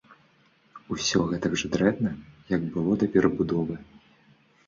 Усё гэтак жа дрэнна, як было да перабудовы?